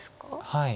はい。